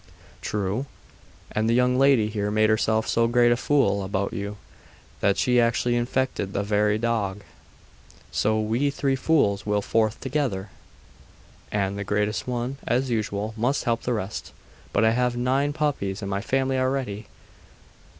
'True; and the young lady here made herself so great a fool about you, that she actually infected the very dog.' 'So we three fools will forth together.' 'And the greatest one, as usual, must help the rest. But I have nine puppies in my family already.